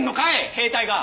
兵隊が。